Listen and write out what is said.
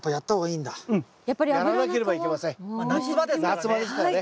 夏場ですからね。